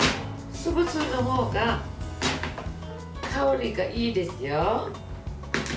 潰すほうが香りがいいですよ。